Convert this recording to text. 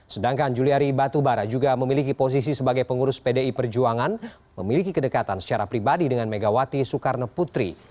sedangkan juliari batubara juga memiliki posisi sebagai pengurus pdi perjuangan memiliki kedekatan secara pribadi dengan megawati soekarno putri